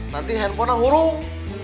nanti handphonenya hurung